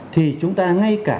thì chúng ta ngay cả